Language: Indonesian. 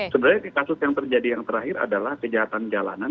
sebenarnya kasus yang terjadi yang terakhir adalah kejahatan jalanan